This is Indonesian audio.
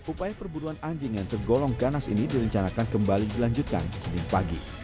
upaya perburuan anjing yang tergolong ganas ini direncanakan kembali dilanjutkan senin pagi